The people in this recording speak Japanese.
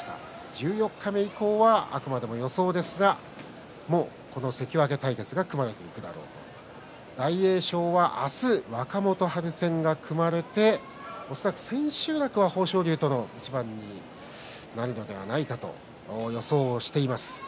十四日目以降はあくまでも予想ですがこの関脇対決が組まれるだろうと大栄翔は明日、若元春戦が組まれ恐らく千秋楽は豊昇龍との一番がなるのではないかと予想しています。